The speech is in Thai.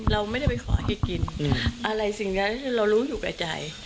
เราไม่ได้ไปขอให้กินอะไรสิ่งนั้นที่เรารู้อยู่กับใจ